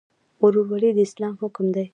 ورورولي د اسلام حکم دی